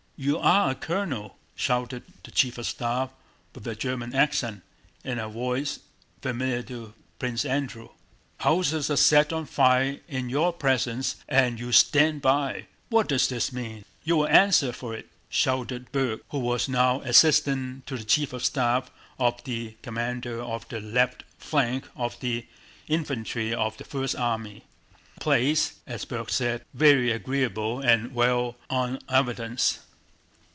"You are a colonel?" shouted the chief of staff with a German accent, in a voice familiar to Prince Andrew. "Houses are set on fire in your presence and you stand by! What does this mean? You will answer for it!" shouted Berg, who was now assistant to the chief of staff of the commander of the left flank of the infantry of the first army, a place, as Berg said, "very agreeable and well en évidence."